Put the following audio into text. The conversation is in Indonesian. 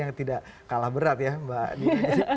yang tidak kalah berat ya mbak dina